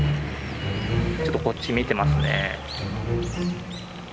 ちょっとこっち見てますね。